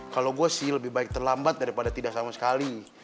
kalau gue sih lebih baik terlambat daripada tidak sama sekali